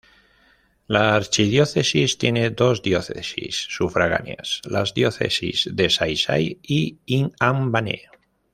La archidiócesis tiene dos diócesis sufragáneas: las Diócesis de Xai-Xai y Inhambane.